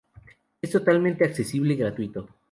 Es totalmente accesible y gratuito.